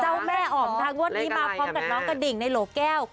จ้าวแม่อ๋อมทั้งว่ามีมาพร้อมกับน้องกระดิ่งในหลังแก้ว